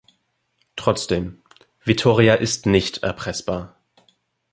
Trotzdem: Vittoria ist nicht erpressbar.